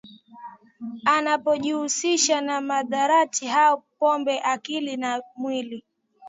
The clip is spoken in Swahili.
anapojihusisha na mihadarati au pombe akili na mwili